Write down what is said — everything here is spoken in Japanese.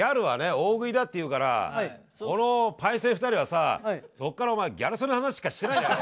大食いだって言うからこのパイセン２人はさそっからお前ギャル曽根の話しかしてないんだよ。